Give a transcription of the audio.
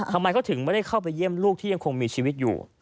ทำไมเขาถึงไม่ได้เข้าไปเยี่ยมลูกที่ยังคงมีชีวิตอยู่